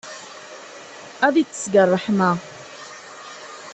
Ad yeṭṭes deg ṛṛeḥma.